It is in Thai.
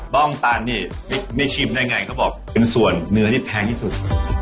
ต้องตานนี่ไม่ชิมได้ไงเขาบอกเป็นส่วนเนื้อที่แพงที่สุด